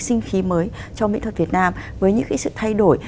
sinh khí mới cho mỹ thuật việt nam với những cái sự thay đổi